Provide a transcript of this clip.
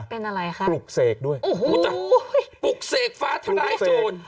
เป็นอะไรครับปลูกเสกด้วยปลูกเสกฟ้าทะลายโจร